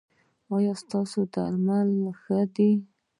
ایا ستاسو درمل ښه دي؟